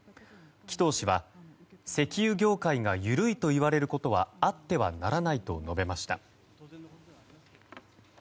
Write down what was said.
木藤氏は、石油業界が緩いといわれることはあってはならないと述べました。